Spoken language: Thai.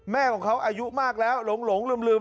แม่ของเขาอายุมากแล้วหลงลืม